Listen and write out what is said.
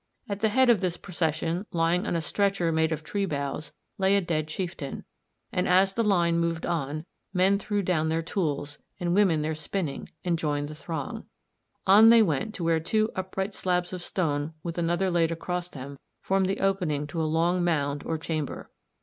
At the head of this procession, lying on a stretcher made of tree boughs, lay a dead chieftain, and as the line moved on, men threw down their tools, and women their spinning, and joined the throng. On they went to where two upright slabs of stone with another laid across them formed the opening to a long mound or chamber.